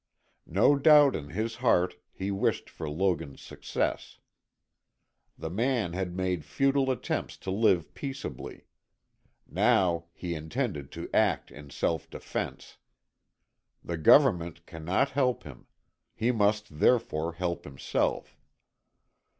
No doubt in his heart he wished for Logan's success. The man had made futile attempts to live peaceably. Now he intended to act in self defense. The government cannot help him he must therefore help himself.